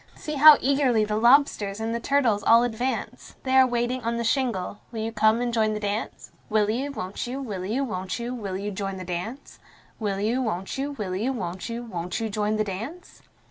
See how eagerly the lobsters and the turtles all advance! They are waiting on the shingle will you come and join the dance? Will you, won't you, will you, won't you, will you join the dance? Will you, won't you, will you, won't you, won't you join the dance?